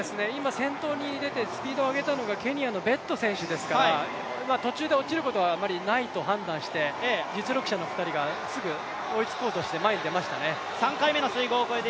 今先頭に出て、スピードを上げたのがケニアのベット選手ですから、途中で落ちることはないと判断して実力者の２人がすぐ追いつこうとして前に出ましたね。